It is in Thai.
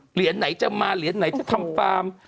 เหรียญไหนจะมาเหรียญไหนจะทำฟาร์ม